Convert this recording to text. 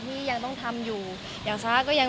มีปิดฟงปิดไฟแล้วถือเค้กขึ้นมา